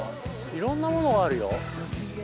いろんなものがあるよ。